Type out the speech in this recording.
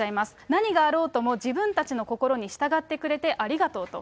何があろうとも、自分たちの心に従ってくれてありがとうと。